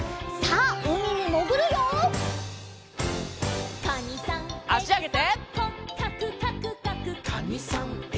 あしあげて。